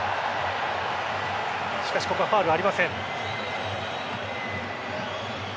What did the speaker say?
しかしここはファウルありません。